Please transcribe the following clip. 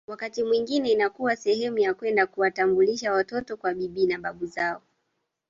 Wakati mwingine inakuwa sehemu ya kwenda kuwatambulisha watoto kwa bibi na babu zao